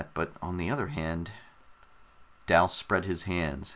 But on the other hand...." Dal spread his hands.